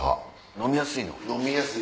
飲みやすい。